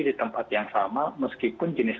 di tempat yang sama meskipun jenis